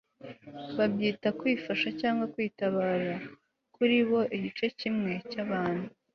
babyita kwifasha cyangwa kwitabara. kuri bo igice kimwe cy'abantu